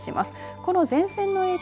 この前線の影響